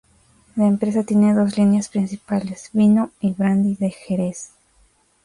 La empresa tiene dos líneas principales: vino y brandy de Jerez.